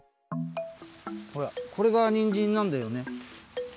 ほらこれがにんじんなんだよね。